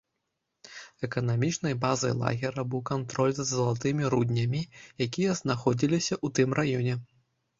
Эканамічнай базай лагера быў кантроль за залатымі руднямі, якія знаходзіліся ў тым раёне.